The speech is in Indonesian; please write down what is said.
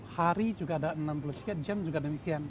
hari juga ada enam puluh tiga jam juga demikian